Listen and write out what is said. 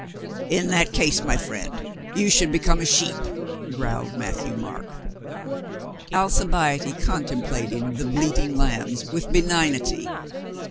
"In that case, my friend, you should become a sheep," growled Matthieu Marc. Alcibiade contemplated the bleating lambs with benignity.